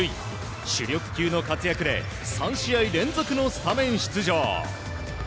主力級の活躍で３試合連続のスタメン出場。